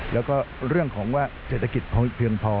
แล้วก็เรื่องของว่าเศรษฐกิจพอเพียงพอ